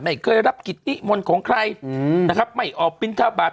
ไม่เคยรับกิจติมนต์ของใครไม่ออกปริศน์ชาวบาท